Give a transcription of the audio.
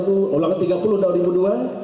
ulangnya tiga puluh tahun dua ribu dua